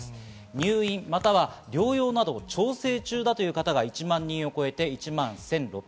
入院または療養などの調整中という方が１万人を超えています。